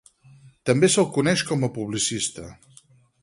També se'l coneix com a publicista.